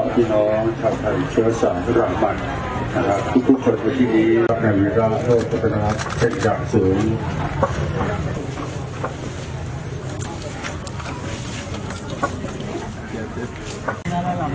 ต้นหมาใหญ่รุกความวันดกของเวทธินคือต้นโภทที่วัดม่วง